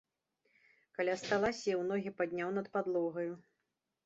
Каля стала сеў, ногі падняў над падлогаю.